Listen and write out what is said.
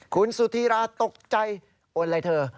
คุณสุธีราตกใจโอนอะไรเธอ